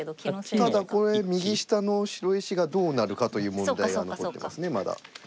ただこれ右下の白石がどうなるかという問題が残ってますねまだ。